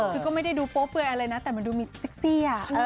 คือก็ไม่ได้ดูโป๊เปื่อยอะไรนะแต่มันดูมีเซ็กซี่